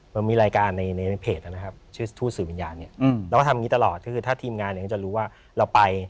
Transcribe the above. มันมีรายการในเพจนะครับชื่อทูตสื่อวิญญาณเนี่ยเราก็ทำอย่างนี้ตลอดก็คือถ้าทีมงานเนี่ยก็จะรู้ว่าเราไป